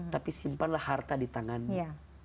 tapi simpanlah harta di tanganmu